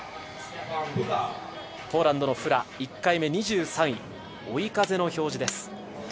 ポーランドのフラ、１回目２３位、追い風の表示です。